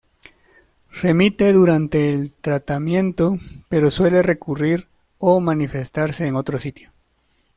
Remite durante el tratamiento pero suele recurrir o manifestarse en otro sitio.